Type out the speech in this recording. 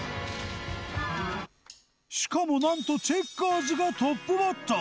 しかもなんとチェッカーズがトップバッター。